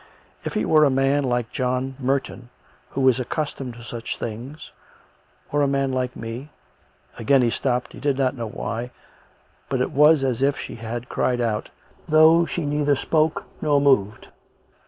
If it were a man like John Merton, who is accustomed to such things, or a man like me " Again he stopped; he did not know why. But it was as if she had cried out, though she neither spoke nor moved.